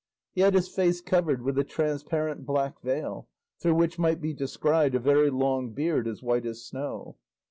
He had his face covered with a transparent black veil, through which might be descried a very long beard as white as snow.